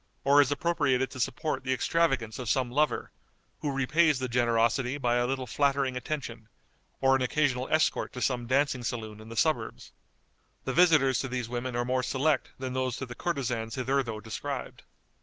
or is appropriated to support the extravagance of some lover, who repays the generosity by a little flattering attention, or an occasional escort to some dancing saloon in the suburbs. The visitors to these women are more select than those to the courtesans hitherto described.